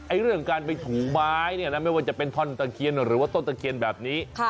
เรื่องการไปถูไม้เนี่ยนะไม่ว่าจะเป็นท่อนตะเคียนหรือว่าต้นตะเคียนแบบนี้